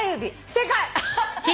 正解！